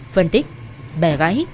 phân tích bẻ gãy